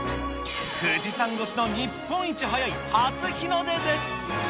富士山越しの日本一早い初日の出です。